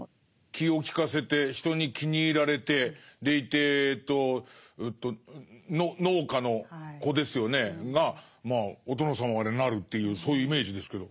気を利かせて人に気に入られてでいて農家の子ですよねがお殿様までなるというそういうイメージですけど。